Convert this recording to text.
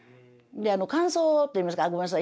であの間奏っていいますかごめんなさい